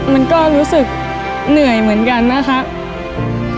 มันก็รู้สึกเหนื่อยเหมือนกันนะครับ